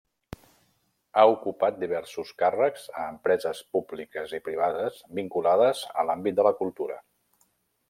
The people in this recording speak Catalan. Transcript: Ha ocupat diversos càrrecs a empreses públiques i privades, vinculades a l'àmbit de la cultura.